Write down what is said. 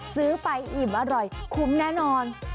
ซื้อไปอิ่มอร่อยคุ้มแน่นอน